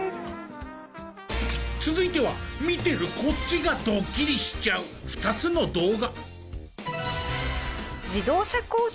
続いては見てるこっちがドッキリしちゃう２つの動画。